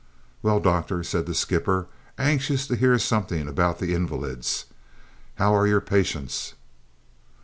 "Well, doctor," said the skipper, anxious to hear something about the invalids, "how're your patients?"